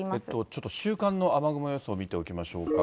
ちょっと週間の雨雲予想見ておきましょうか。